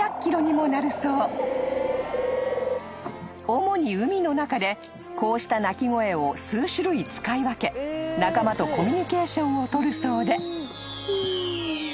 ［主に海の中でこうした鳴き声を数種類使い分け仲間とコミュニケーションを取るそうで］